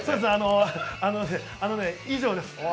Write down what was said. あのね、以上です。